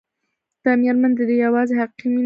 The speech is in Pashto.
دا مېرمن د ده يوازېنۍ حقيقي مينه وه.